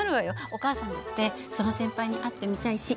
お母さんだってその先輩に会ってみたいし。